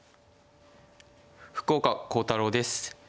福岡航太朗です。